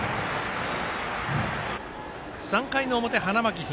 ３回の表、花巻東。